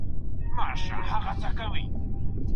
کوم لفظ په حديث شريف کي اضافه سوی دی؟